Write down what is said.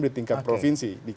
di tingkat provinsi